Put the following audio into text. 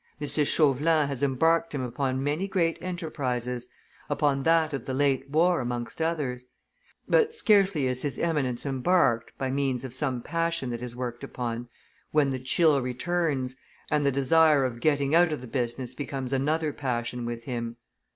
M. Chauvelin has embarked him upon many great enterprises, upon that of the late war, amongst others; but scarcely is his Eminence embarked, by means of some passion that is worked upon, when the chill returns, and the desire of getting out of the business becomes another passion with him.